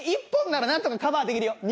１本ならなんとかカバーできるよ。